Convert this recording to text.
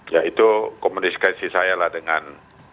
ya itu komunikasi saya lah dengan